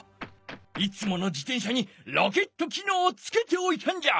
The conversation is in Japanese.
いつもの自てん車にロケットきのうをつけておいたんじゃ。